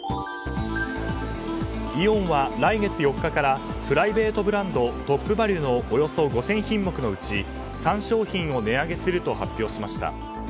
イオンは来月４日からプライベートブランドトップバリュのおよそ５０００品目のうち３商品を値上げすると発表しました。